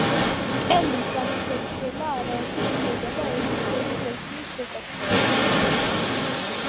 კელიმ განახორციელა არაერთი ცვლილება რეჟისორის ვერსიის შესაქმნელად.